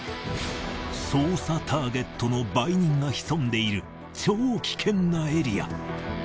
捜査ターゲットの売人が潜んでいる超危険なエリア。